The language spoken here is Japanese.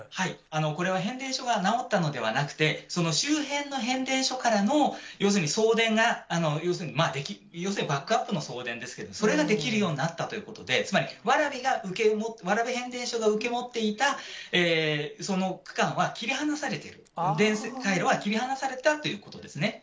これは変電所が直ったのではなくて、その周辺の変電所からの、要するに送電が、要するにバックアップの送電ですけれども、それができるようになったということで、つまり蕨変電所が受け持っていたその区間は切り離されている、回路が切り離されたということですね。